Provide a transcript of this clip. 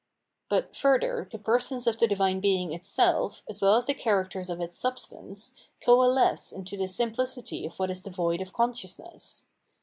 But, further, the persons of the divine Being itself, as well as the characters of its substance, coalesce into the simpHcity of what is devoid of consciousness.